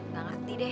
gak ngerti deh